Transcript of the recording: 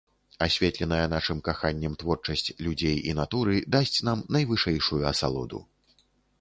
Асветленая нашым каханнем творчасць людзей і натуры дасць нам найвышэйшую асалоду.